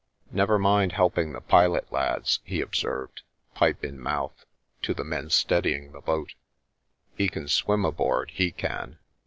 " Never mind helping the pilot, lads," he observed, pipe in mouth, to the men steadying the boat ;" he can swim aboard, he can